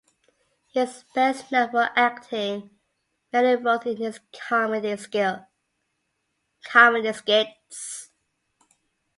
He is best known for acting many roles in his comedy skits.